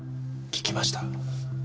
聞きました？